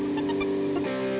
putri putri putri